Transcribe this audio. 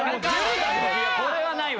いやこれはないわ。